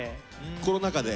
コロナ禍で？